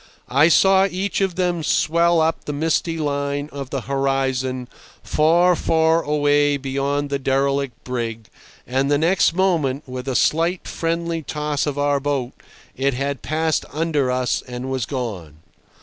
I saw each of them swell up the misty line of the horizon, far, far away beyond the derelict brig, and the next moment, with a slight friendly toss of our boat, it had passed under us and was gone.